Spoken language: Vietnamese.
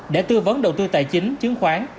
để tư vấn đầu tư tài chính chứng khoán